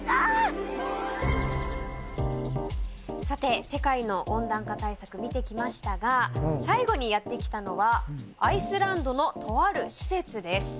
さて世界の温暖化対策見てきましたが最後にやって来たのはアイスランドのとある施設です。